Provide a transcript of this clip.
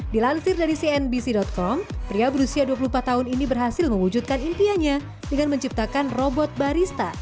dilansir dari cnbc com pria berusia dua puluh empat tahun ini berhasil mewujudkan impiannya dengan menciptakan robot barista